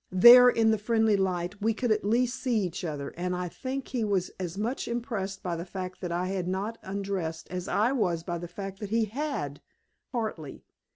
There, in the friendly light, we could at least see each other, and I think he was as much impressed by the fact that I had not undressed as I was by the fact that he HAD, partly.